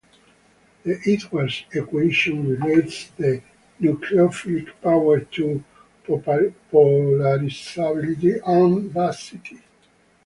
The Edwards equation relates the nucleophilic power to "polarisability" and "basicity".